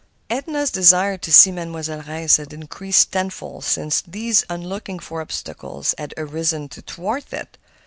Edna's desire to see Mademoiselle Reisz had increased tenfold since these unlooked for obstacles had arisen to thwart it.